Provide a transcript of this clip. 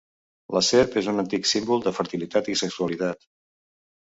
La serp és un antic símbol de fertilitat i sexualitat.